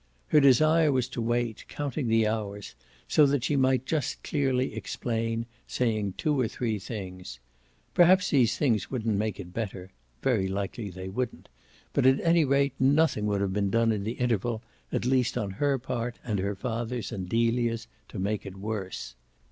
Her desire was to wait, counting the hours, so that she might just clearly explain, saying two or three things. Perhaps these things wouldn't make it better very likely they wouldn't; but at any rate nothing would have been done in the interval, at least on her part and her father's and Delia's, to make it worse.